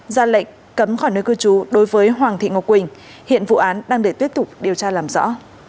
ra lệnh cấm khỏi nơi cư trú đối với hoàng thị ngọc quỳnh hiện vụ án đang được tiếp tục điều tra làm rõ